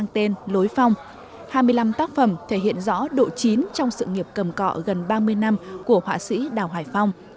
hai tên hai mươi năm tác phẩm thể hiện rõ độ chín trong sự nghiệp cầm cọ gần ba mươi năm của họa sĩ đào hải phong